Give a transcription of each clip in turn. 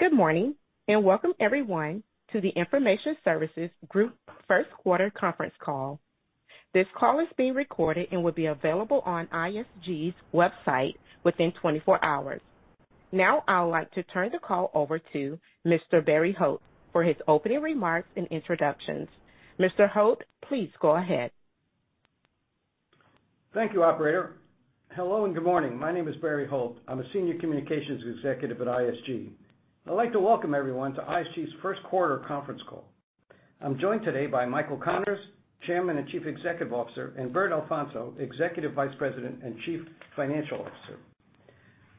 Good morning. Welcome everyone to the Information Services Group first quarter conference call. This call is being recorded and will be available on ISG's website within 24 hours. Now I would like to turn the call over to Mr. Barry Holt for his opening remarks and introductions. Mr. Holt, please go ahead. Thank you, operator. Hello and good morning. My name is Barry Holt. I'm a Senior Communications Executive at ISG. I'd like to welcome everyone to ISG's first quarter conference call. I'm joined today by Michael Connors, Chairman and Chief Executive Officer, and Bert Alfonso, Executive Vice President and Chief Financial Officer.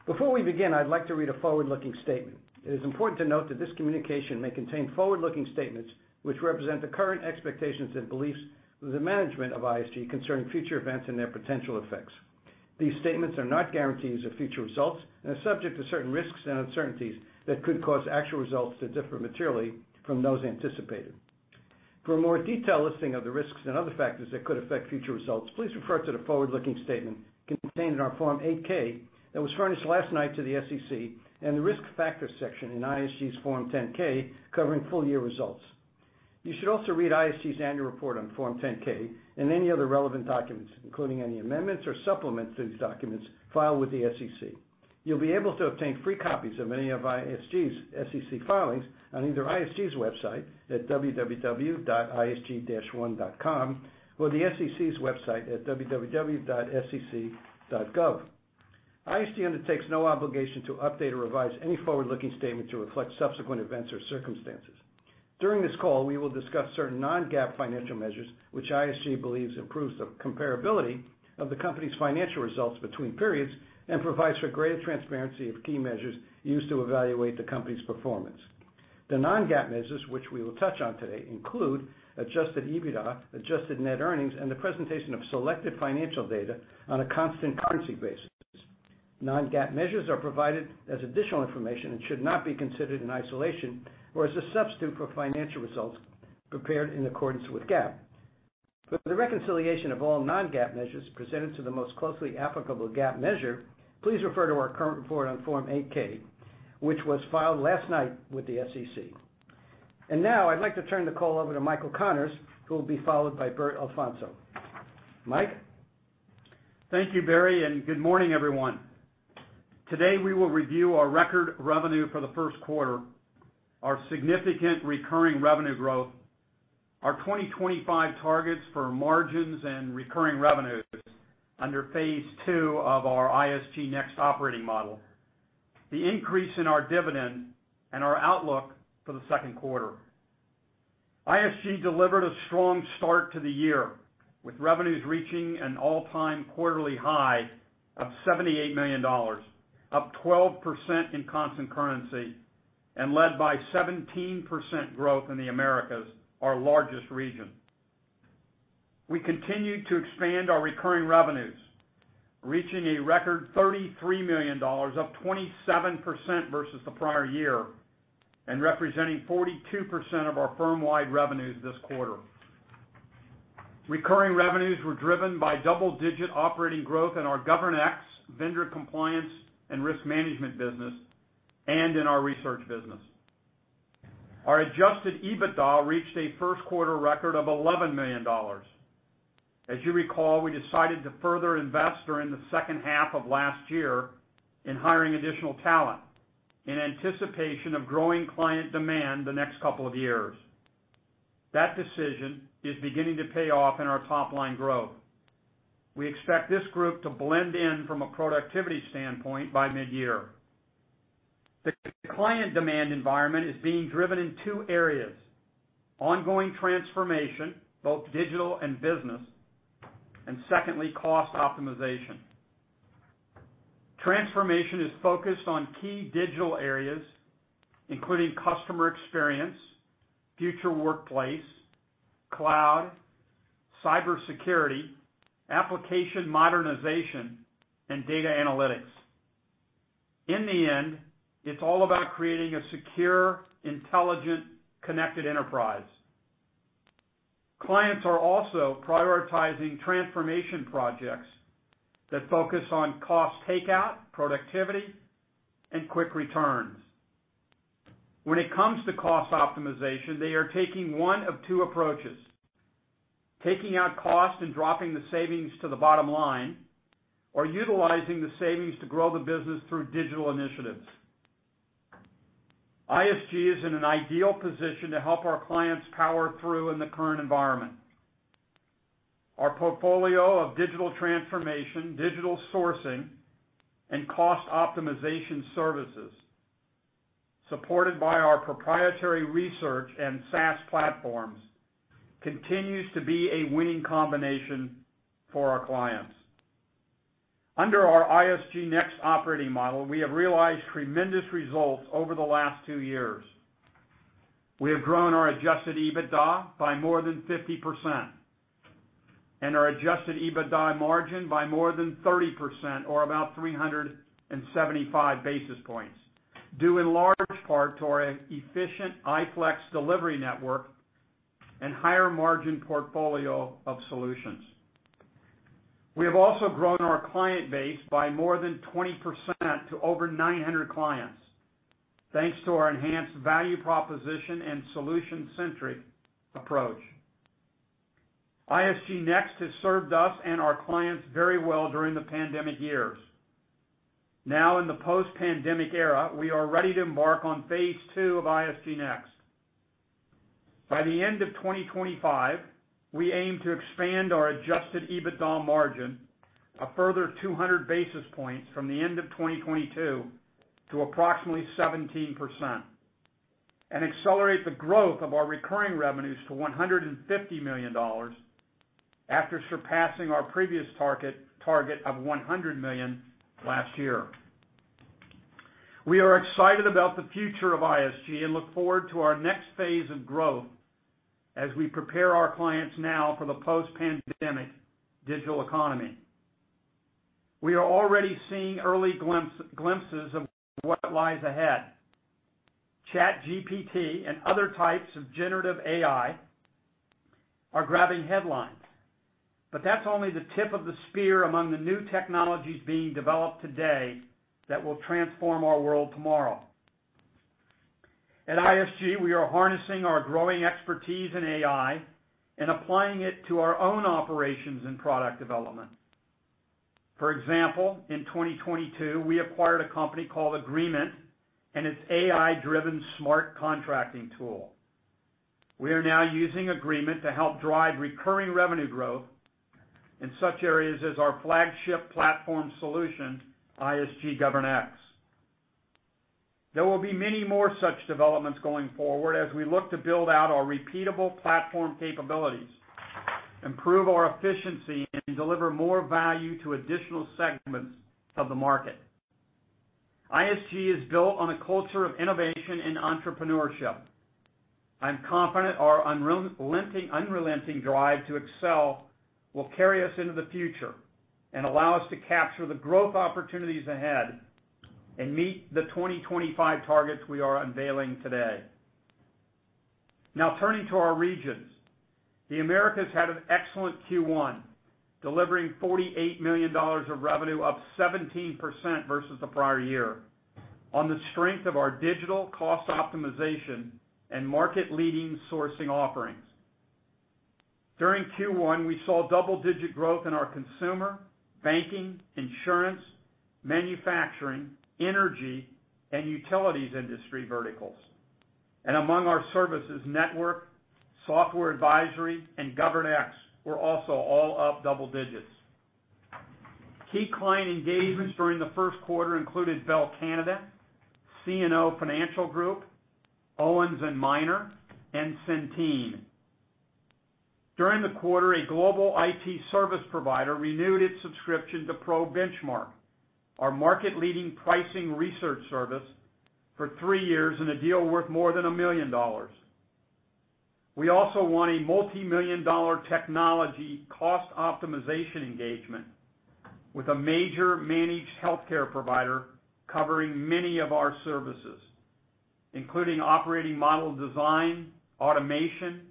Before we begin, I'd like to read a forward-looking statement. It is important to note that this communication may contain forward-looking statements which represent the current expectations and beliefs of the management of ISG concerning future events and their potential effects. These statements are not guarantees of future results and are subject to certain risks and uncertainties that could cause actual results to differ materially from those anticipated. For a more detailed listing of the risks and other factors that could affect future results, please refer to the forward-looking statement contained in our Form 8-K that was furnished last night to the SEC and the Risk Factors section in ISG's Form 10-K covering full year results. You should also read ISG's annual report on Form 10-K and any other relevant documents, including any amendments or supplements to these documents filed with the SEC. You'll be able to obtain free copies of any of ISG's SEC filings on either ISG's website at www.isg-one.com or the SEC's website at www.sec.gov. ISG undertakes no obligation to update or revise any forward-looking statement to reflect subsequent events or circumstances. During this call, we will discuss certain non-GAAP financial measures, which ISG believes improves the comparability of the company's financial results between periods and provides for greater transparency of key measures used to evaluate the company's performance. The non-GAAP measures which we will touch on today include adjusted EBITDA, adjusted net earnings, and the presentation of selected financial data on a constant currency basis. Non-GAAP measures are provided as additional information and should not be considered in isolation or as a substitute for financial results prepared in accordance with GAAP. For the reconciliation of all non-GAAP measures presented to the most closely applicable GAAP measure, please refer to our current report on Form 8-K, which was filed last night with the SEC. Now I'd like to turn the call over to Michael Connors, who will be followed by Bert Alfonso. Mike? Thank you, Barry, and good morning, everyone. Today, we will review our record revenue for the first quarter, our significant recurring revenue growth, our 2025 targets for margins and recurring revenues under phase two of our ISG NEXT operating model, the increase in our dividend, and our outlook for the second quarter. ISG delivered a strong start to the year, with revenues reaching an all-time quarterly high of $78 million, up 12% in constant currency and led by 17% growth in the Americas, our largest region. We continued to expand our recurring revenues, reaching a record $33 million, up 27% versus the prior year and representing 42% of our firm-wide revenues this quarter. Recurring revenues were driven by double-digit operating growth in our GovernX vendor compliance and risk management business and in our research business. Our Adjusted EBITDA reached a first quarter record of $11 million. As you recall, we decided to further invest during the second half of last year in hiring additional talent in anticipation of growing client demand the next couple of years. That decision is beginning to pay off in our top line growth. We expect this group to blend in from a productivity standpoint by mid-year. The client demand environment is being driven in two areas: ongoing transformation, both digital and business, and secondly, cost optimization. Transformation is focused on key digital areas, including customer experience, future workplace, cloud, cybersecurity, application modernization, and data analytics. In the end, it's all about creating a secure, intelligent, connected enterprise. Clients are also prioritizing transformation projects that focus on cost takeout, productivity, and quick returns. When it comes to cost optimization, they are taking one of two approaches, taking out cost and dropping the savings to the bottom line or utilizing the savings to grow the business through digital initiatives. ISG is in an ideal position to help our clients power through in the current environment. Our portfolio of digital transformation, digital sourcing, and cost optimization services, supported by our proprietary research and SaaS platforms, continues to be a winning combination for our clients. Under our ISG NEXT operating model, we have realized tremendous results over the last two years. We have grown our adjusted EBITDA by more than 50% and our adjusted EBITDA margin by more than 30% or about 375 basis points, due in large part to our efficient iFlex delivery network and higher margin portfolio of solutions. We have also grown our client base by more than 20% to over 900 clients, thanks to our enhanced value proposition and solution-centric approach. ISG NEXT has served us and our clients very well during the pandemic years. Now, in the post-pandemic era, we are ready to embark on phase two of ISG NEXT. By the end of 2025, we aim to expand our adjusted EBITDA margin a further 200 basis points from the end of 2022 to approximately 17% and accelerate the growth of our recurring revenues to $150 million after surpassing our previous target of 100 million last year. We are excited about the future of ISG and look forward to our next phase of growth as we prepare our clients now for the post-pandemic digital economy. We are already seeing early glimpses of what lies ahead. ChatGPT and other types of generative AI are grabbing headlines, that's only the tip of the spear among the new technologies being developed today that will transform our world tomorrow. At ISG, we are harnessing our growing expertise in AI and applying it to our own operations and product development. For example, in 2022, we acquired a company called Agreemint and its AI-driven smart contracting tool. We are now using Agreemint to help drive recurring revenue growth in such areas as our flagship platform solution, ISG GovernX. There will be many more such developments going forward as we look to build out our repeatable platform capabilities, improve our efficiency, and deliver more value to additional segments of the market. ISG is built on a culture of innovation and entrepreneurship. I'm confident our unrelenting drive to excel will carry us into the future and allow us to capture the growth opportunities ahead and meet the 2025 targets we are unveiling today. Now turning to our regions. The Americas had an excellent Q1, delivering $48 million of revenue, up 17% versus the prior year on the strength of our digital cost optimization and market-leading sourcing offerings. During Q1, we saw double-digit growth in our consumer, banking, insurance, manufacturing, energy, and utilities industry verticals. Among our services, Network, Software Advisory, and GovernX were also all up double digits. Key client engagements during the first quarter included Bell Canada, CNO Financial Group, Owens & Minor, and Centene. During the quarter, a global IT service provider renewed its subscription to ProBenchmark, our market-leading pricing research service, for 3 years in a deal worth more than $1 million. We also won a multi-million dollar technology cost optimization engagement with a major managed healthcare provider covering many of our services, including operating model design, automation,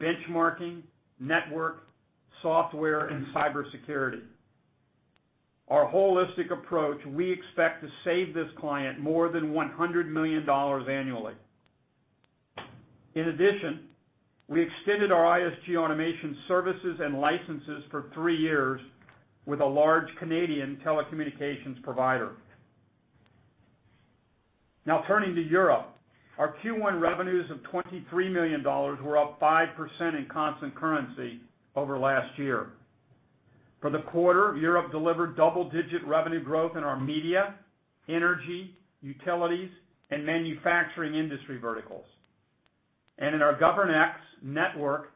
benchmarking, Network, software, and cybersecurity. Our holistic approach, we expect to save this client more than $100 million annually. In addition, we extended our ISG automation services and licenses for three years with a large Canadian telecommunications provider. Turning to Europe. Our Q1 revenues of $23 million were up 5% in constant currency over last year. For the quarter, Europe delivered double-digit revenue growth in our media, energy, utilities, and manufacturing industry verticals, and in our GovernX Network,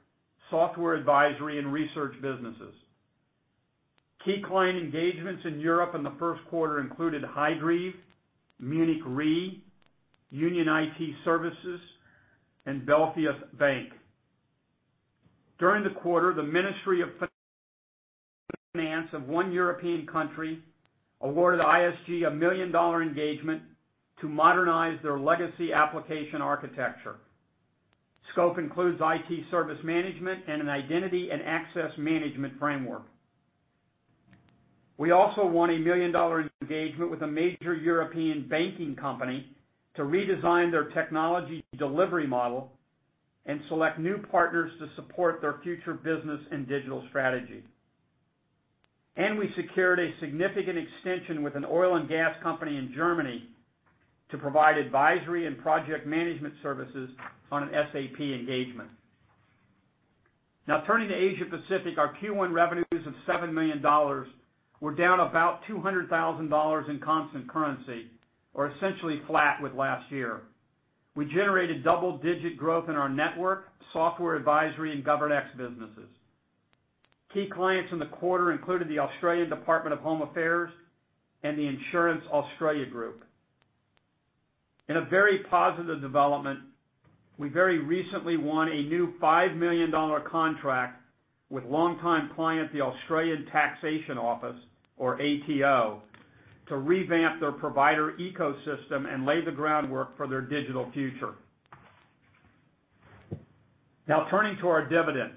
Software Advisory, and Research businesses. Key client engagements in Europe in the first quarter included Hydrive, Munich Re, Union IT Services, and Belfius Bank. During the quarter, the Ministry of Finance of one European country awarded ISG a $1 million engagement to modernize their legacy application architecture. Scope includes IT service management and an identity and access management framework. We also won a $1 million engagement with a major European banking company to redesign their technology delivery model and select new partners to support their future business and digital strategy. We secured a significant extension with an oil and gas company in Germany to provide advisory and project management services on an SAP engagement. Turning to Asia Pacific. Our Q1 revenues of $7 million were down about $200,000 in constant currency or essentially flat with last year. We generated double-digit growth in our Network, Software Advisory, and GovernX businesses. Key clients in the quarter included the Australian Department of Home Affairs and the Insurance Australia Group. In a very positive development, we very recently won a new $5 million contract with longtime client, the Australian Taxation Office, or ATO, to revamp their provider ecosystem and lay the groundwork for their digital future. Turning to our dividend.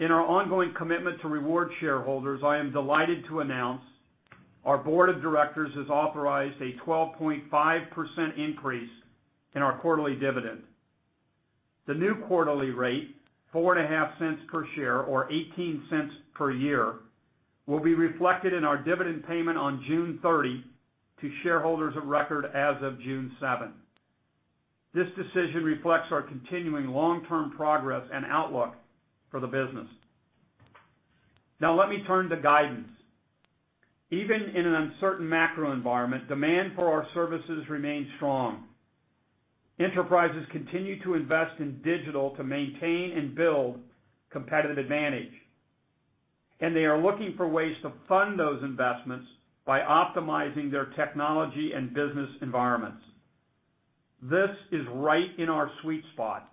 In our ongoing commitment to reward shareholders, I am delighted to announce our board of directors has authorized a 12.5% increase in our quarterly dividend. The new quarterly rate, $0.045 per share, or $0.18 per year, will be reflected in our dividend payment on June 30 to shareholders of record as of June 7. This decision reflects our continuing long-term progress and outlook for the business. Now let me turn to guidance. Even in an uncertain macro environment, demand for our services remains strong. Enterprises continue to invest in digital to maintain and build competitive advantage, and they are looking for ways to fund those investments by optimizing their technology and business environments. This is right in our sweet spot.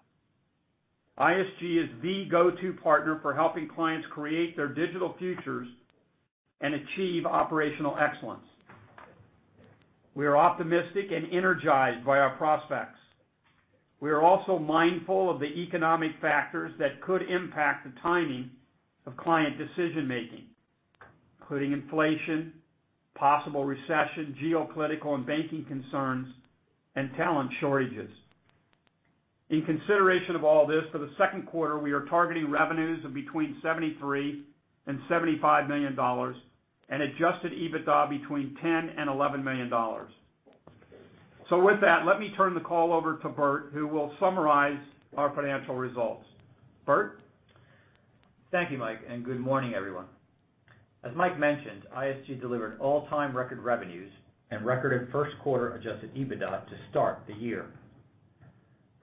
ISG is the go-to partner for helping clients create their digital futures and achieve operational excellence. We are optimistic and energized by our prospects. We are also mindful of the economic factors that could impact the timing of client decision-making, including inflation, possible recession, geopolitical and banking concerns, and talent shortages. In consideration of all this, for the second quarter, we are targeting revenues of between $73 million and $75 million and adjusted EBITDA between $10 million and $11 million. With that, let me turn the call over to Bert, who will summarize our financial results. Bert? Thank you, Mike, and good morning, everyone. As Mike mentioned, ISG delivered all-time record revenues and record in first quarter adjusted EBITDA to start the year.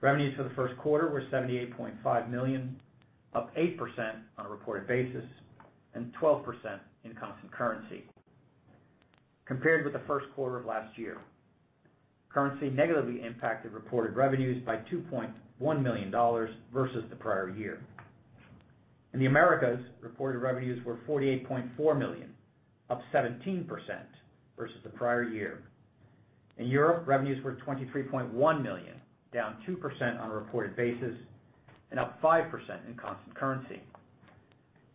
Revenues for the first quarter were $78.5 million, up 8% on a reported basis and 12% in constant currency compared with the first quarter of last year. Currency negatively impacted reported revenues by $2.1 million versus the prior year. In the Americas, reported revenues were $48.4 million, up 17% versus the prior year. In Europe, revenues were $23.1 million, down 2% on a reported basis and up 5% in constant currency.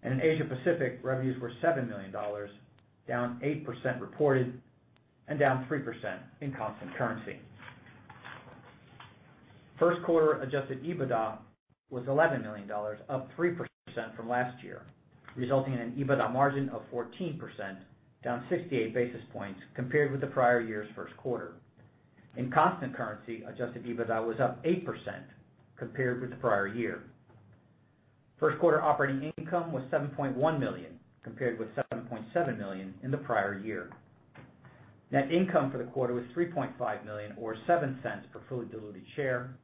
In Asia-Pacific, revenues were $7 million, down 8% reported and down 3% in constant currency. First quarter adjusted EBITDA was $11 million, up 3% from last year, resulting in an EBITDA margin of 14%, down 68 basis points compared with the prior year's first quarter. In constant currency, adjusted EBITDA was up 8% compared with the prior year. First quarter operating income was 7.1 million, compared with 7.7 million in the prior year. Net income for the quarter was $3.5 million or 0.07 per fully diluted share,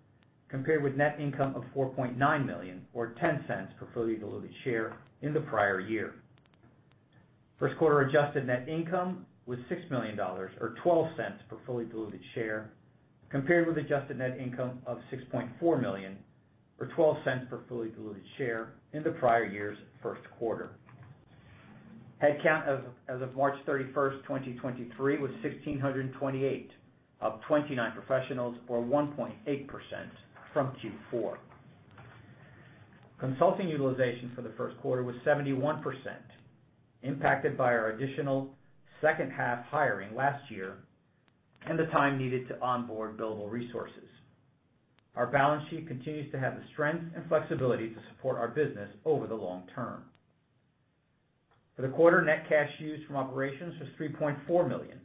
compared with net income of 4.9 million or 0.10 per fully diluted share in the prior year. First quarter adjusted net income was $6 million or 0.12 per fully diluted share, compared with adjusted net income of 6.4 million or 0.12 per fully diluted share in the prior year's first quarter. Headcount as of March 31, 2023, was 1,628, up 29 professionals or 1.8% from Q4. Consulting utilization for the first quarter was 71%, impacted by our additional second half hiring last year and the time needed to onboard billable resources. Our balance sheet continues to have the strength and flexibility to support our business over the long term. For the quarter, net cash used from operations was 3.4 million.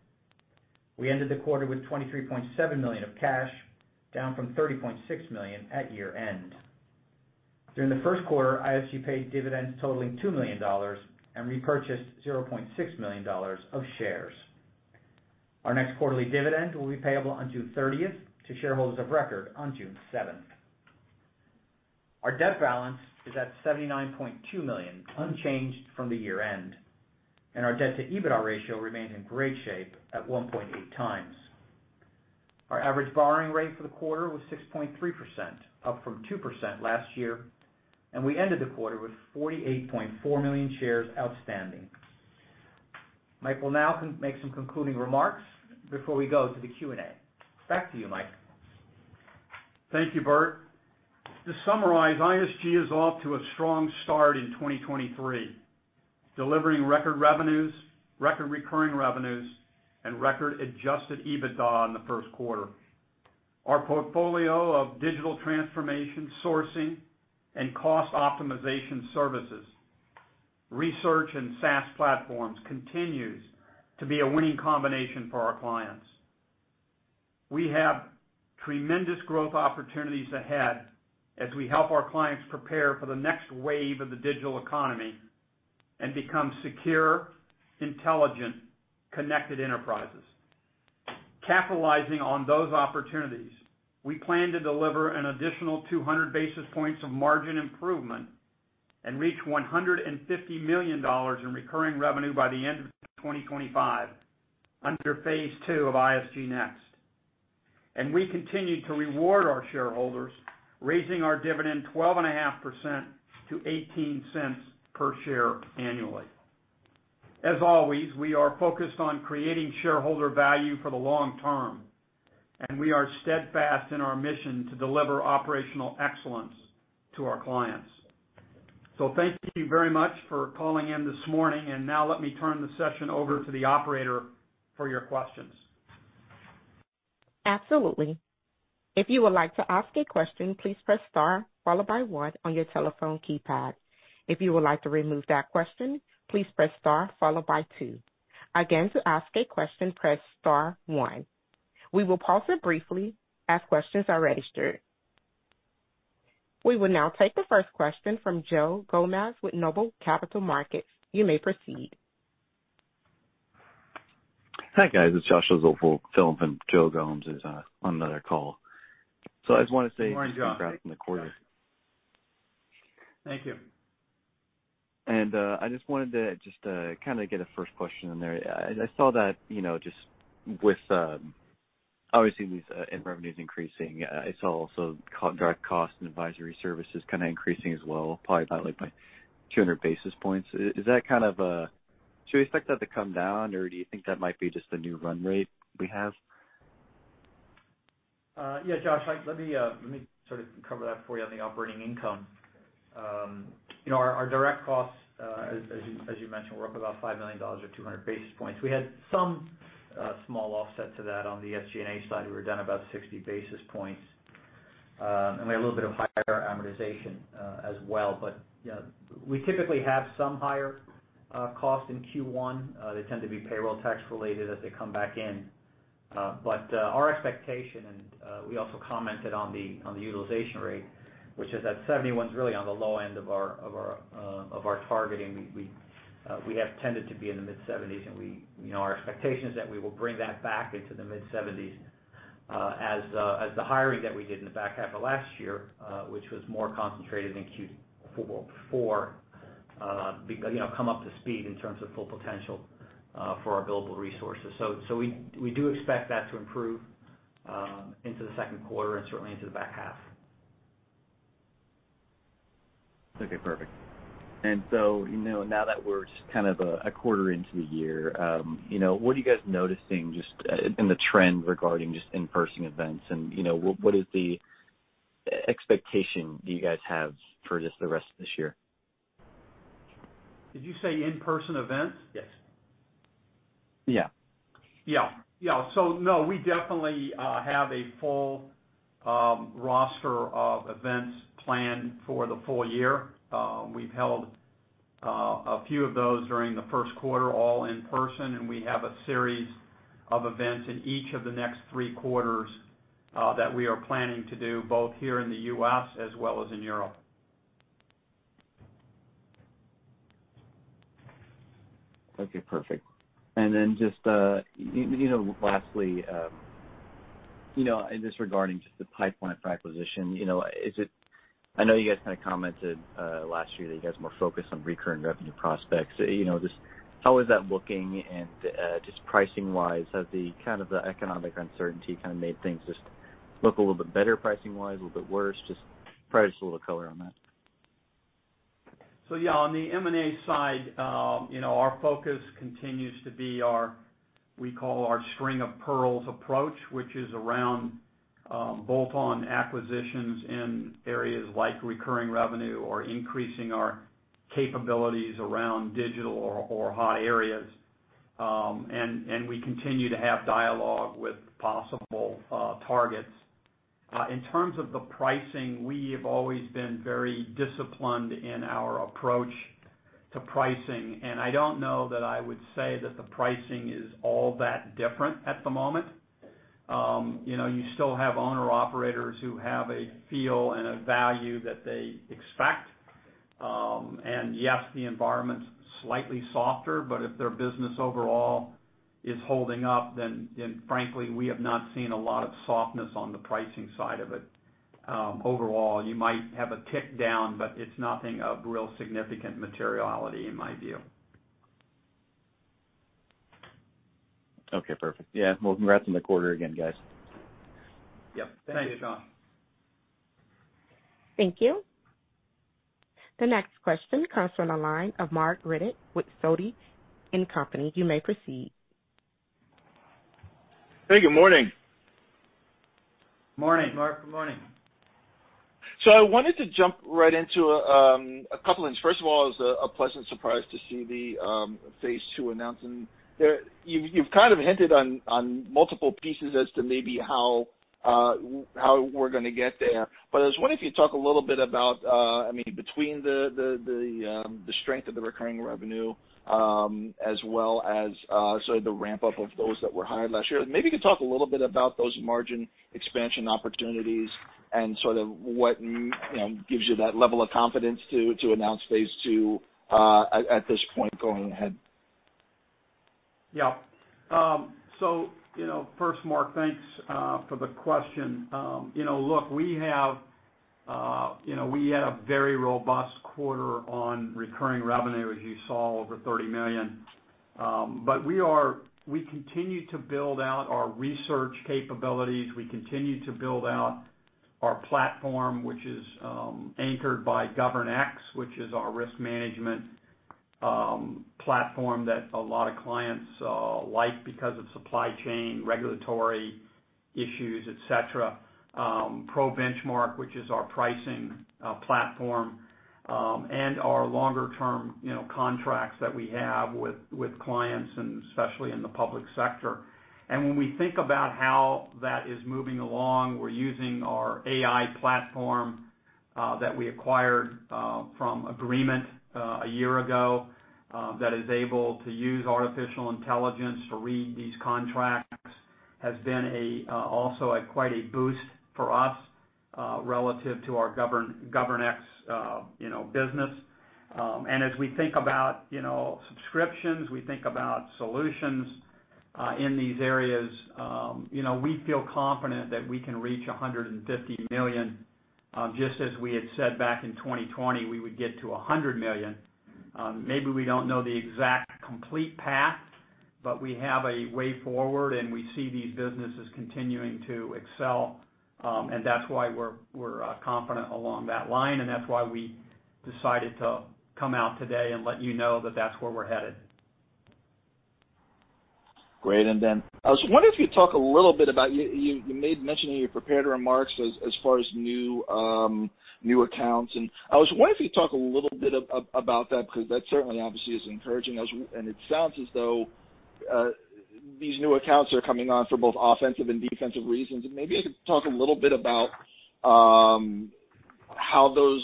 We ended the quarter with 23.7 million of cash, down from 30.6 million at year-end. During the first quarter, ISG paid dividends totaling $2 million and repurchased $0.6 million of shares. Our next quarterly dividend will be payable on June 30 to shareholders of record on June 7. Our debt balance is at $79.2 million, unchanged from the year-end, and our debt-to-EBITDA ratio remains in great shape at 1.8x. Our average borrowing rate for the quarter was 6.3%, up from 2% last year, and we ended the quarter with 48.4 million shares outstanding. Mike will now make some concluding remarks before we go to the Q&A. Back to you, Mike. Thank you, Bert. To summarize, ISG is off to a strong start in 2023, delivering record revenues, record recurring revenues, and record adjusted EBITDA in the first quarter. Our portfolio of digital transformation, sourcing, and cost optimization services, research, and SaaS platforms continues to be a winning combination for our clients. We have tremendous growth opportunities ahead as we help our clients prepare for the next wave of the digital economy and become secure, intelligent, connected enterprises. Capitalizing on those opportunities, we plan to deliver an additional 200 basis points of margin improvement and reach $150 million in recurring revenue by the end of 2025 under phase two of ISG NEXT. We continue to reward our shareholders, raising our dividend 12.5% to 0.18 per share annually. As always, we are focused on creating shareholder value for the long term, and we are steadfast in our mission to deliver operational excellence to our clients. Thank you very much for calling in this morning. Now let me turn the session over to the operator for your questions. Absolutely. If you would like to ask a question, please press star followed by one on your telephone keypad. If you would like to remove that question, please press star followed by two. Again, to ask a question, press star one. We will pause here briefly as questions are registered. We will now take the first question from Josh Vogel for Philip Shen and Joe Gomes with Noble Capital Markets. You may proceed. Hi, guys. It's Josh Vogel for Philip and Josh Vogel for Philip Shen and Joe Gomes is on another call. I just want to say. Good morning, Josh.... congrats on the quarter. Thank you. I just wanted to just kinda get a first question in there. I saw that, you know, just with obviously these end revenues increasing, I saw also direct costs and advisory services kinda increasing as well, probably by 200 basis points. Is that kind of a... Do you expect that to come down, or do you think that might be just a new run rate we have? Josh, like, let me sort of cover that for you on the operating income. You know, our direct costs, as you mentioned, were up about $5 million or 200 basis points. We had some small offset to that on the SG&A side. We were down about 60 basis points. We had a little bit of higher amortization as well. You know, we typically have some higher costs in Q1. They tend to be payroll tax related as they come back in. Our expectation, we also commented on the utilization rate, which is that 71's really on the low end of our of our of our targeting. We have tended to be in the mid-70s, and we... You know, our expectation is that we will bring that back into the mid-70s, as the hiring that we did in the back half of last year, which was more concentrated in Q4, you know, come up to speed in terms of full potential for our billable resources. We do expect that to improve into the second quarter and certainly into the back half. Okay, perfect. You know, now that we're just kind of a quarter into the year, you know, what are you guys noticing just in the trend regarding just in-person events? You know, what is the expectation do you guys have for just the rest of this year? Did you say in-person events? Yes. Yeah. Yeah. Yeah. No, we definitely have a full roster of events planned for the full year. We've held a few of those during the first quarter, all in person, and we have a series of events in each of the next 3 quarters that we are planning to do both here in the U.S. as well as in Europe. Okay, perfect. Then just, you know, lastly, you know, just regarding just the pipeline for acquisition. I know you guys kind of commented, last year that you guys are more focused on recurring revenue prospects. You know, just how is that looking? Just pricing-wise, has the kind of the economic uncertainty kind of made things just look a little bit better pricing-wise, a little bit worse? Just probably just a little color on that. Yeah, on the M&A side, you know, our focus continues to be we call our string of pearls approach, which is around bolt-on acquisitions in areas like recurring revenue or increasing our capabilities around digital or hot areas. We continue to have dialogue with possible targets. In terms of the pricing, we have always been very disciplined in our approach to pricing. I don't know that I would say that the pricing is all that different at the moment. You know, you still have owner-operators who have a feel and a value that they expect. Yes, the environment's slightly softer, but if their business overall is holding up, frankly, we have not seen a lot of softness on the pricing side of it. Overall, you might have a tick down, but it's nothing of real significant materiality in my view. Okay, perfect. Yeah. Well, congrats on the quarter again, guys. Yep. Thank you. Thank you. The next question comes from the line of Marc Riddick with Sidoti & Company. You may proceed. Hey, good morning. Morning. Marc, good morning. I wanted to jump right into a couple things. First of all, it was a pleasant surprise to see the phase two announcement. You've kind of hinted on multiple pieces as to maybe how we're gonna get there. I was wondering if you'd talk a little bit about, I mean, between the strength of the recurring revenue, as well as sort of the ramp-up of those that were hired last year. Maybe you could talk a little bit about those margin expansion opportunities and sort of what, you know, gives you that level of confidence to announce phase two at this point going ahead. Yeah. you know, first, Marc, thanks for the question. you know, look, we have, you know, we had a very robust quarter on recurring revenue, as you saw, over 30 million. But we continue to build out our research capabilities. We continue to build out our platform, which is anchored by GovernX, which is our risk management platform that a lot of clients like because of supply chain regulatory issues, et cetera, ProBenchmark, which is our pricing platform, and our longer-term, you know, contracts that we have with clients and especially in the public sector. When we think about how that is moving along, we're using our AI platform that we acquired from Agreemint a year ago, that is able to use artificial intelligence to read these contracts, has been also quite a boost for us relative to our GovernX, you know, business. As we think about, you know, subscriptions, we think about solutions in these areas, you know, we feel confident that we can reach 150 million, just as we had said back in 2020, we would get to100 million. Maybe we don't know the exact complete path, but we have a way forward, and we see these businesses continuing to excel, and that's why we're confident along that line, and that's why we decided to come out today and let you know that that's where we're headed. Great. I was wondering if you'd talk a little bit about you made mention in your prepared remarks as far as new accounts, and I was wondering if you'd talk a little bit about that because that certainly obviously is encouraging. It sounds as though these new accounts are coming on for both offensive and defensive reasons. Maybe you could talk a little bit about how those...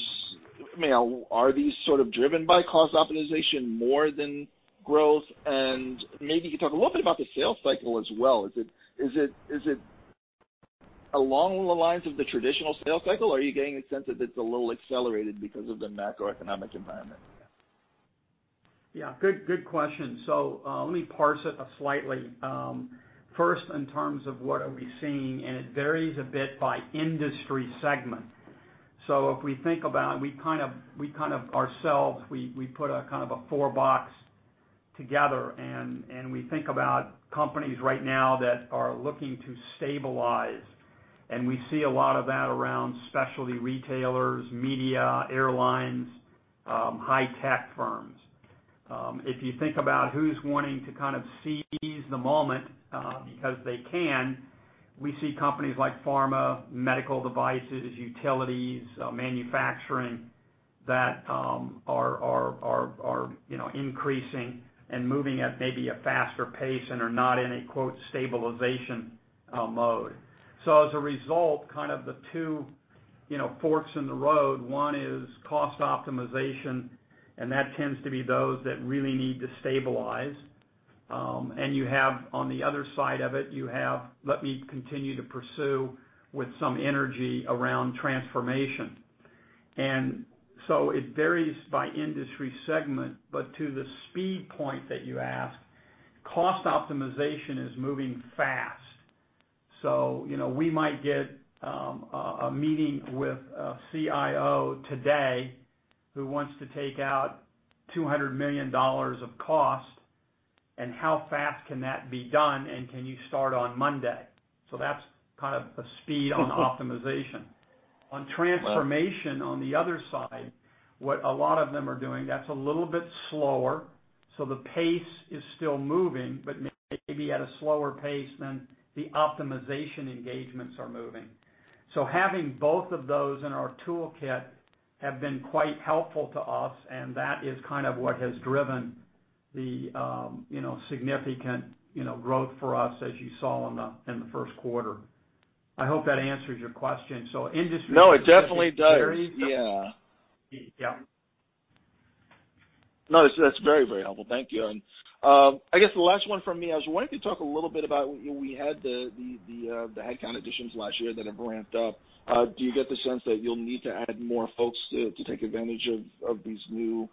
I mean, are these sort of driven by cost optimization more than growth? Maybe you could talk a little bit about the sales cycle as well. Is it along the lines of the traditional sales cycle, or are you getting a sense that it's a little accelerated because of the macroeconomic environment? Yeah. Good question. Let me parse it slightly. First, in terms of what are we seeing, it varies a bit by industry segment. If we think about it, we kind of ourselves, we put a kind of a four-box together and we think about companies right now that are looking to stabilize, we see a lot of that around specialty retailers, media, airlines, high-tech firms. If you think about who's wanting to kind of seize the moment, because they can, we see companies like pharma, medical devices, utilities, manufacturing that are, you know, increasing and moving at maybe a faster pace and are not in a, quote, "stabilization," mode. As a result, kind of the two, you know, forks in the road, one is cost optimization, and that tends to be those that really need to stabilize. You have on the other side of it, you have, let me continue to pursue with some energy around transformation. It varies by industry segment, but to the speed point that you asked, cost optimization is moving fast. You know, we might get a meeting with a CIO today who wants to take out $200 million of cost and how fast can that be done and can you start on Monday. That's kind of a speed on optimization. On transformation, on the other side, what a lot of them are doing, that's a little bit slower, so the pace is still moving, but maybe at a slower pace than the optimization engagements are moving. Having both of those in our toolkit have been quite helpful to us, and that is kind of what has driven the, you know, significant, you know, growth for us as you saw in the first quarter. I hope that answers your question. Industry- No, it definitely does. It varies. Yeah. Yeah. No, that's very, very helpful. Thank you. I guess the last one from me, I was wondering if you talk a little bit about we had the headcount additions last year that have ramped up. Do you get the sense that you'll need to add more folks to take advantage of these new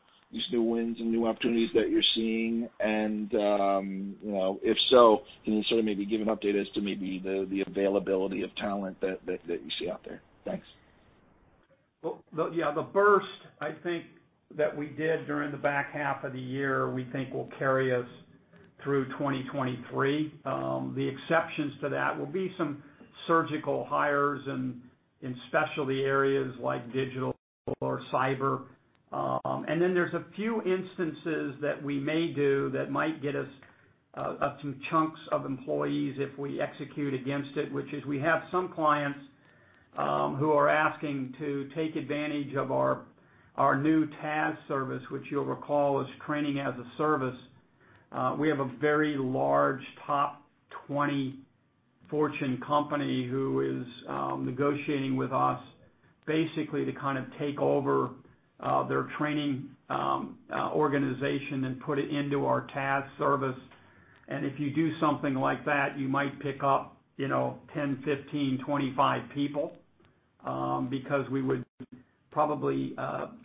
wins and new opportunities that you're seeing? You know, if so, can you sort of maybe give an update as to maybe the availability of talent that you see out there? Thanks. Well, yeah, the burst, I think, that we did during the back half of the year, we think will carry us through 2023. The exceptions to that will be some surgical hires in specialty areas like digital or cyber. There's a few instances that we may do that might get us up to chunks of employees if we execute against it, which is we have some clients who are asking to take advantage of our new TaaS service, which you'll recall is Training as a Service. We have a very large top 20 Fortune company who is negotiating with us basically to kind of take over their training organization and put it into our TaaS service. If you do something like that, you might pick up, you know, 10, 15, 25 people, because we would probably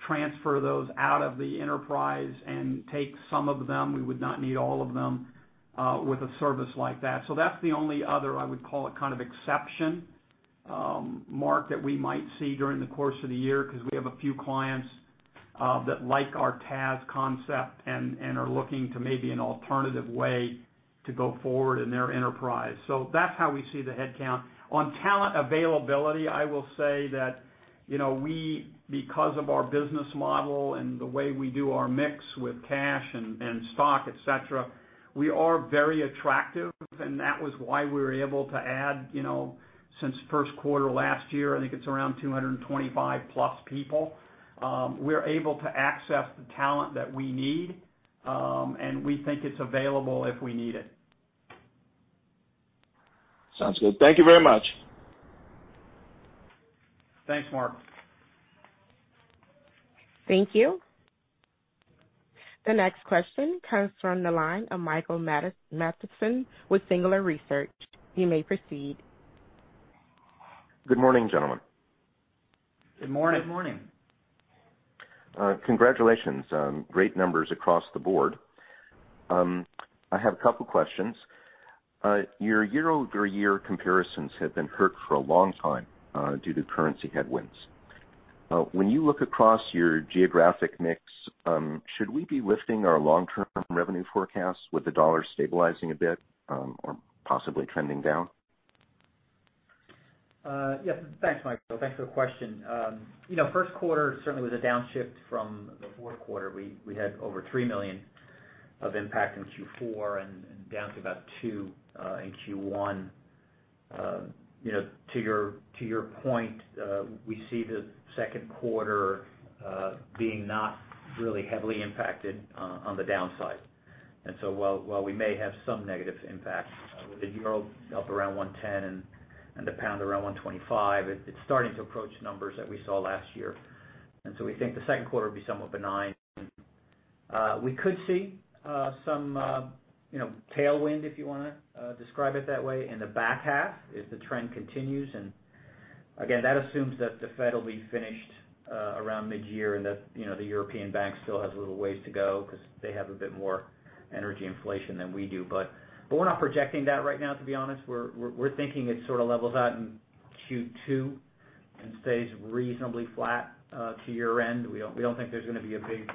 transfer those out of the enterprise and take some of them, we would not need all of them, with a service like that. That's the only other, I would call it, kind of exception, Marc, that we might see during the course of the year 'cause we have a few clients that like our TaaS concept and are looking to maybe an alternative way to go forward in their enterprise. That's how we see the headcount. On talent availability, I will say that, you know, because of our business model and the way we do our mix with cash and stock, et cetera, we are very attractive. That was why we were able to add, you know, since first quarter last year, I think it's around 225+ people. We're able to access the talent that we need, and we think it's available if we need it. Sounds good. Thank you very much. Thanks, Marc. Thank you. The next question comes from the line of Michael Matson with Singular Research. You may proceed. Good morning, gentlemen. Good morning. Good morning. Congratulations on great numbers across the board. I have a couple questions. Your year-over-year comparisons have been hurt for a long time due to currency headwinds. When you look across your geographic mix, should we be lifting our long-term revenue forecasts with the dollar stabilizing a bit or possibly trending down? Yes. Thanks, Michael. Thanks for the question. You know, first quarter certainly was a downshift from the fourth quarter. We had over 3 million of impact in Q4 and down to about two in Q1. You know, to your point, we see the second quarter being not really heavily impacted on the downside. While we may have some negative impact with the EUR up around 1.10 and the GBP around 1.25, it's starting to approach numbers that we saw last year. We think the second quarter will be somewhat benign. We could see some, you know, tailwind, if you want to describe it that way, in the back half if the trend continues. Again, that assumes that the Fed will be finished around mid-year, that, you know, the European Bank still has a little ways to go ’cause they have a bit more energy inflation than we do. But we're not projecting that right now, to be honest. We're thinking it sort of levels out in Q2 and stays reasonably flat to year-end. We don't think there's gonna be a big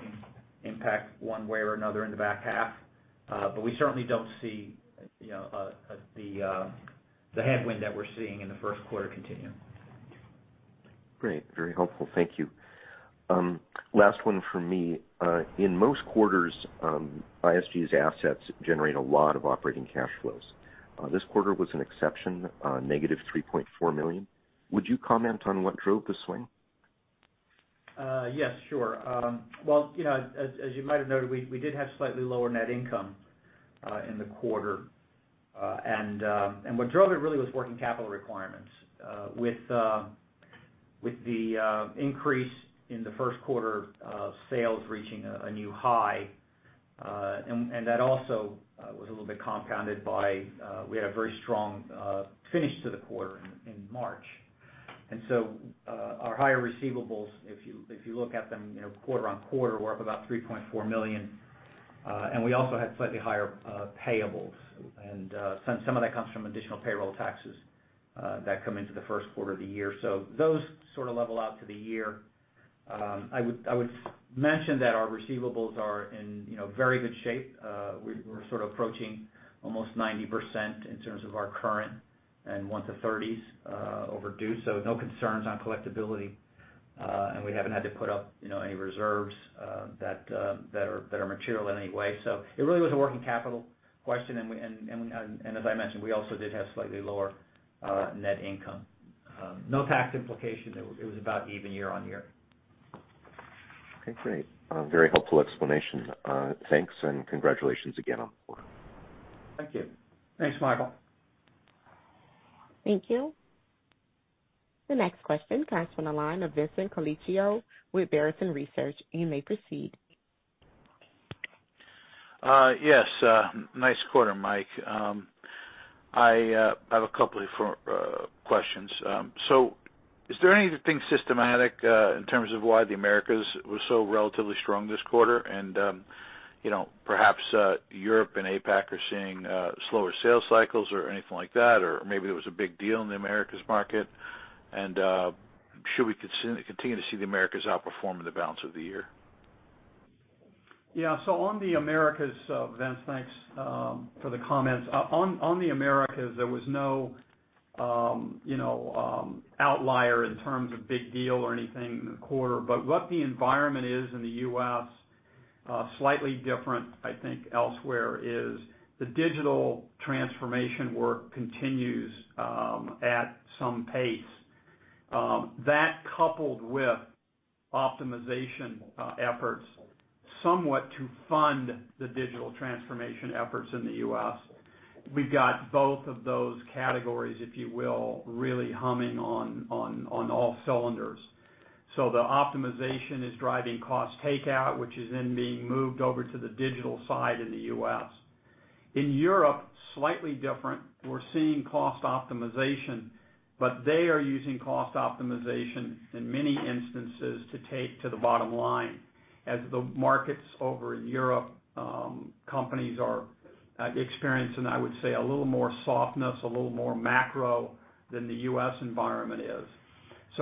impact one way or another in the back half. We certainly don't see, you know, the headwind that we're seeing in the first quarter continuing. Great. Very helpful. Thank you. Last one from me. In most quarters, ISG's assets generate a lot of operating cash flows. This quarter was an exception, negative 3.4 million. Would you comment on what drove the swing? Yes, sure. Well, you know, as you might have noted, we did have slightly lower net income in the quarter. What drove it really was working capital requirements. With the increase in the first quarter, sales reaching a new high, and that also was a little bit compounded by we had a very strong finish to the quarter in March. Our higher receivables, if you look at them, you know, quarter-on-quarter, were up about 3.4 million. We also had slightly higher payables. Some of that comes from additional payroll taxes that come into the first quarter of the year. Those sort of level out to the year. I would mention that our receivables are in, you know, very good shape. We're sort of approaching almost 90% in terms of our current and 1 to 30s overdue, no concerns on collectibility. We haven't had to put up, you know, any reserves that are material in any way. It really was a working capital question. As I mentioned, we also did have slightly lower net income. No tax implication. It was about even year-on-year. Okay, great. Very helpful explanation. Thanks and congratulations again on the quarter. Thank you. Thanks, Michael. Thank you. The next question comes from the line of Vincent Colicchio with Barrington Research. You may proceed. Yes, nice quarter, Mike. I have a couple of questions. Is there anything systematic in terms of why the Americas was so relatively strong this quarter? You know, perhaps Europe and APAC are seeing slower sales cycles or anything like that, or maybe there was a big deal in the Americas market. Should we continue to see the Americas outperform in the balance of the year? Yeah. On the Americas, Vince, thanks, for the comments. On the Americas, there was no, you know, outlier in terms of big deal or anything in the quarter. What the environment is in the U.S., slightly different, I think elsewhere, is the digital transformation work continues, at some pace. That coupled with optimization efforts somewhat to fund the digital transformation efforts in the U.S. We've got both of those categories, if you will, really humming on all cylinders. The optimization is driving cost takeout, which is then being moved over to the digital side in the U.S. In Europe, slightly different. We're seeing cost optimization, but they are using cost optimization in many instances to take to the bottom line as the markets over Europe, companies are experiencing, I would say, a little more softness, a little more macro than the U.S. environment is.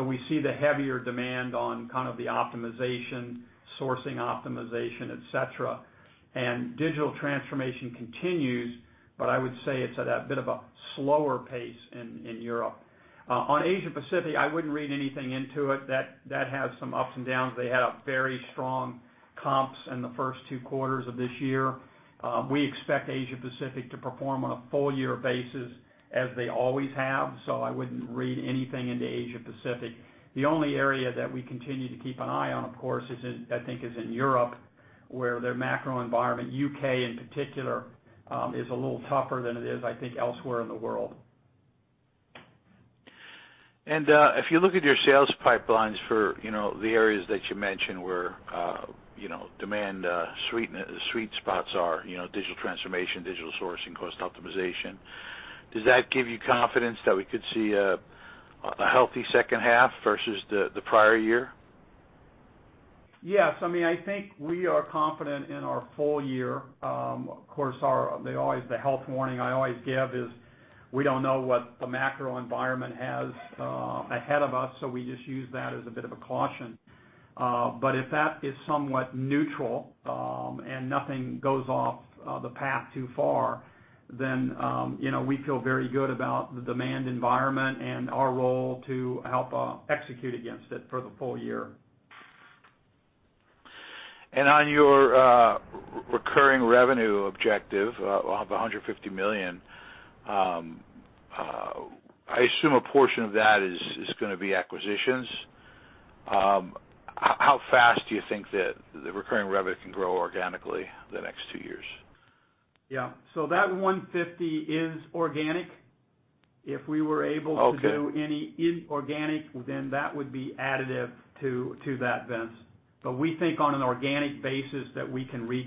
We see the heavier demand on kind of the optimization, sourcing optimization, et cetera. Digital transformation continues, but I would say it's at a bit of a slower pace in Europe. On Asia Pacific, I wouldn't read anything into it. That has some ups and downs. They had very strong comps in the first two quarters of this year. We expect Asia Pacific to perform on a full-year basis as they always have, so I wouldn't read anything into Asia Pacific. The only area that we continue to keep an eye on, of course, I think is in Europe, where their macro environment, UK in particular, is a little tougher than it is, I think, elsewhere in the world. If you look at your sales pipelines for, you know, the areas that you mentioned where, you know, demand, sweet spots are, you know, digital transformation, digital sourcing, cost optimization, does that give you confidence that we could see a healthy second half versus the prior year? Yes. I mean, I think we are confident in our full year. Of course, the health warning I always give is we don't know what the macro environment has ahead of us, so we just use that as a bit of a caution. If that is somewhat neutral, and nothing goes off the path too far, then, you know, we feel very good about the demand environment and our role to help execute against it for the full year. On your recurring revenue objective, of $150 million, I assume a portion of that is going to be acquisitions. How fast do you think that the recurring revenue can grow organically the next two years? Yeah. That $150 is organic. Okay to do any inorganic, then that would be additive to that, Vince. We think on an organic basis that we can reach,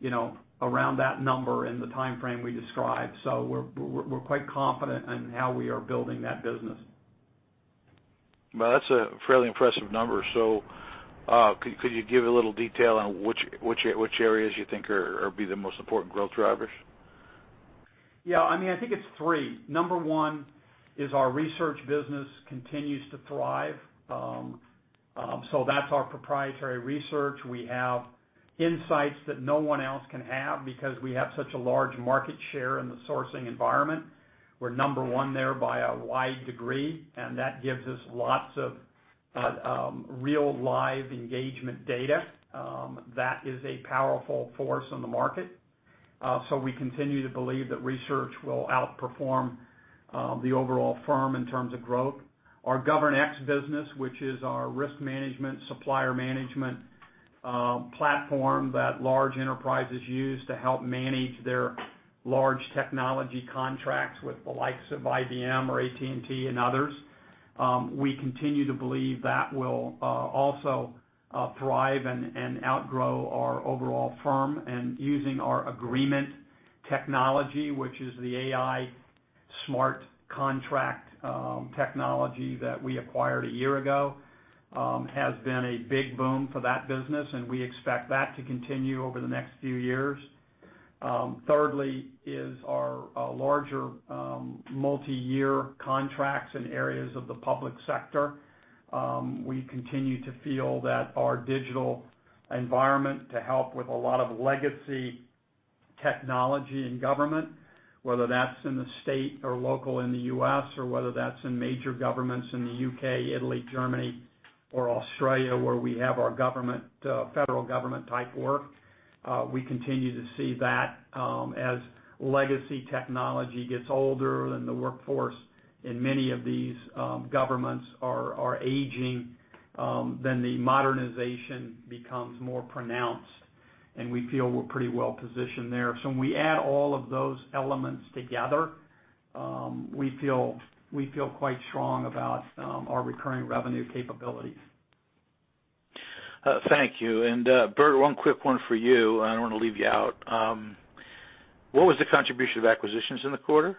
you know, around that number in the timeframe we described. We're quite confident in how we are building that business. That's a fairly impressive number. Could you give a little detail on which areas you think are be the most important growth drivers? I mean, I think it's three. Number one is our research business continues to thrive. That's our proprietary research. We have insights that no one else can have because we have such a large market share in the sourcing environment. We're number one there by a wide degree, and that gives us lots of real live engagement data. That is a powerful force on the market. We continue to believe that research will outperform the overall firm in terms of growth. Our GovernX business, which is our risk management, supplier management platform that large enterprises use to help manage their large technology contracts with the likes of IBM or AT&T and others, we continue to believe that will also thrive and outgrow our overall firm. Using our Agreemint technology, which is the AI smart contract technology that we acquired a year ago, has been a big boom for that business, and we expect that to continue over the next few years. Thirdly is our larger multiyear contracts in areas of the public sector. We continue to feel that our digital environment to help with a lot of legacy technology in government, whether that's in the state or local in the U.S. or whether that's in major governments in the U.K., Italy, Germany, or Australia, where we have our government, federal government type work. We continue to see that, as legacy technology gets older and the workforce in many of these governments are aging, then the modernization becomes more pronounced, and we feel we're pretty well positioned there. When we add all of those elements together, we feel quite strong about our recurring revenue capabilities. Thank you. Bert, one quick one for you. I don't want to leave you out. What was the contribution of acquisitions in the quarter?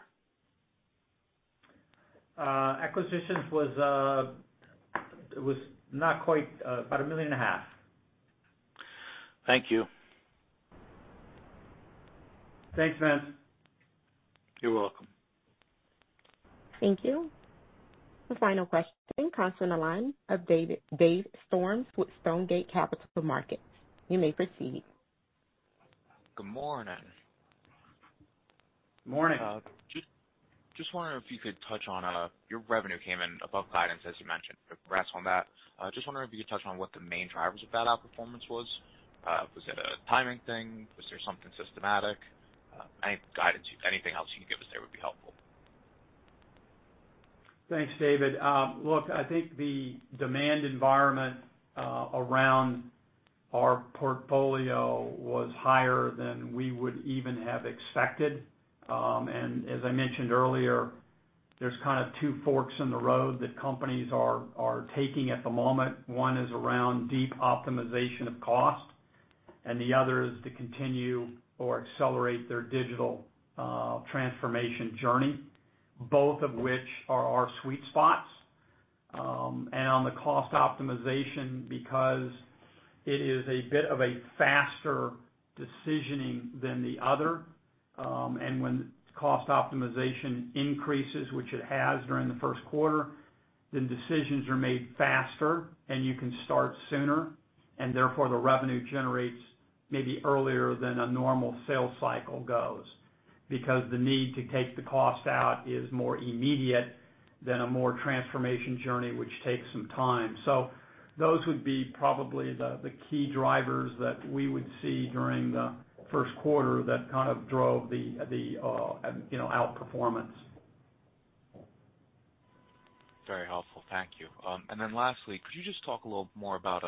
Acquisitions was, it was not quite, about 1.5 million. Thank you. Thanks, Vince. You're welcome. Thank you. The final question comes from the line of Dave Storms with Stonegate Capital Markets. You may proceed. Good morning. Morning. Just wondering if you could touch on your revenue came in above guidance, as you mentioned. Congrats on that. Just wondering if you could touch on what the main drivers of that outperformance was. Was it a timing thing? Was there something systematic? Any guidance, anything else you can give us there would be helpful. Thanks, David. Look, I think the demand environment around our portfolio was higher than we would even have expected. As I mentioned earlier, there's kind of two forks in the road that companies are taking at the moment. One is around deep optimization of cost, and the other is to continue or accelerate their digital transformation journey, both of which are our sweet spots. On the cost optimization because it is a bit of a faster decisioning than the other. When cost optimization increases, which it has during the first quarter, then decisions are made faster, and you can start sooner and therefore the revenue generates maybe earlier than a normal sales cycle goes. Because the need to take the cost out is more immediate than a more transformation journey, which takes some time. Those would be probably the key drivers that we would see during the first quarter that kind of drove the, you know, outperformance. Very helpful. Thank you. Then lastly, could you just talk a little more about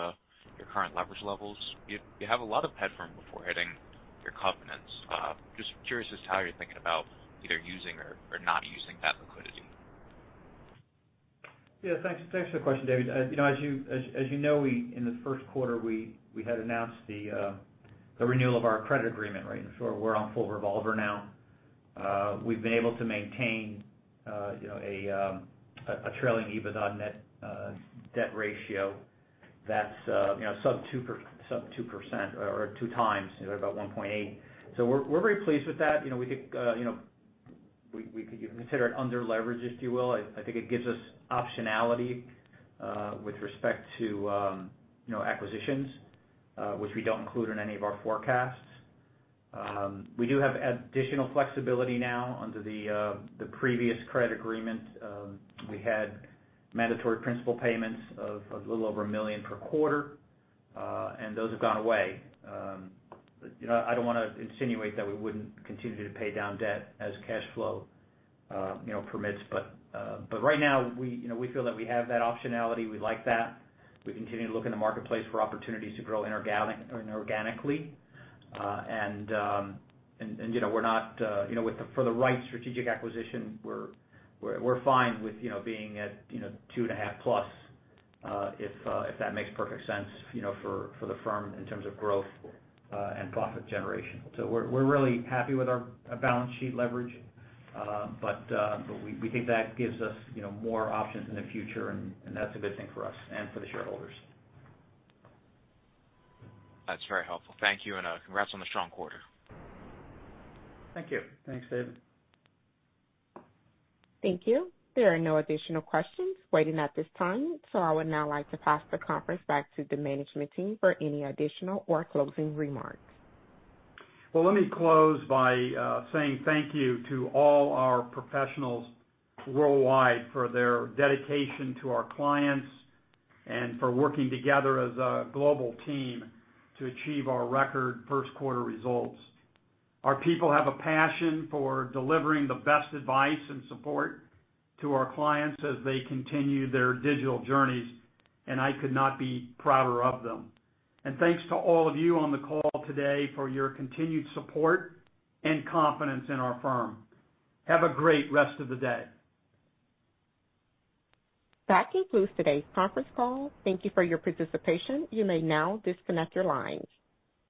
your current leverage levels? You have a lot of headroom before hitting your covenants. Just curious as to how you're thinking about either using or not using that liquidity. Yeah. Thanks for the question, David. You know, as you, as you know, in the first quarter, we had announced the renewal of our credit agreement, right? We're on full revolver now. We've been able to maintain, you know, a trailing EBITDA net debt ratio that's, you know, sub 2% or two times. They're about 1.8. We're very pleased with that. You know, we could, you know, we could consider it under leveraged, if you will. I think it gives us optionality with respect to, you know, acquisitions, which we don't include in any of our forecasts. We do have additional flexibility now. Under the previous credit agreement, we had mandatory principal payments of a little over 1 million per quarter, and those have gone away. You know, I don't want to insinuate that we wouldn't continue to pay down debt as cash flow, you know, permits, but right now, we, you know, we feel that we have that optionality. We like that. We continue to look in the marketplace for opportunities to grow inorganically. You know, we're not, you know, for the right strategic acquisition, we're fine with, you know, being at, you know, 2.5+, if that makes perfect sense, you know, for the firm in terms of growth, and profit generation. We're really happy with our balance sheet leverage. We think that gives us, you know, more options in the future, and that's a good thing for us and for the shareholders. That's very helpful. Thank you. Congrats on the strong quarter. Thank you. Thanks, David. Thank you. There are no additional questions waiting at this time. I would now like to pass the conference back to the management team for any additional or closing remarks. Well, let me close by saying thank you to all our professionals worldwide for their dedication to our clients and for working together as a global team to achieve our record first quarter results. Our people have a passion for delivering the best advice and support to our clients as they continue their digital journeys, and I could not be prouder of them. Thanks to all of you on the call today for your continued support and confidence in our firm. Have a great rest of the day. That concludes today's conference call. Thank you for your participation. You may now disconnect your lines.